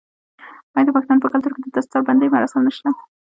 آیا د پښتنو په کلتور کې د دستار بندی مراسم نشته؟